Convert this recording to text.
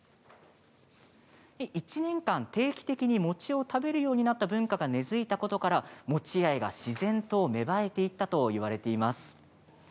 １年間定期的に餅を食べるようになった文化が根づいたことから餅愛が自然と芽生えていったといわれています。